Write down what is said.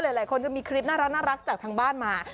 หลายคนก็มีคลิปน่ารักจากทางบ้านมา